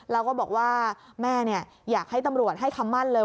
แล้วก็บอกว่าแม่อยากให้ตำรวจให้คำมั่นเลย